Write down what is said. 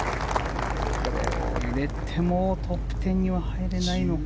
入れてもトップ１０には入れないのか。